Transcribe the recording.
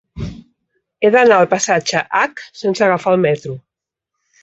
He d'anar al passatge Hac sense agafar el metro.